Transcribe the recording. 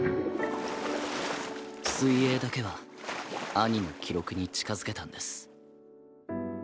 水泳だけは兄の記録に近づけたんです。